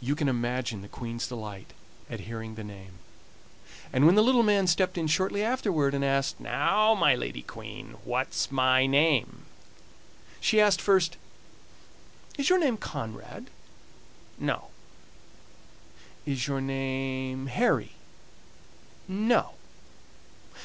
You can imagine the Queen's delight at hearing the name, and when the little man stepped in shortly afterward and asked: "Now, my lady Queen, what's my name?" she asked first: "Is your name Conrad?" "No." "Is your name Harry?" "No."